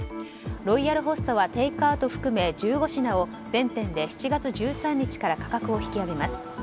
ロイヤルホストはテイクアウト含め１５品を全店で７月１３日から価格を引き上げます。